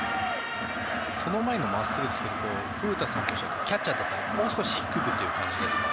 その前のまっすぐですが古田さん、むしろキャッチャーだったらもう少し低くって感じですか？